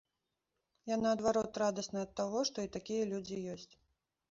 Я наадварот радасны ад таго, што і такія людзі ёсць.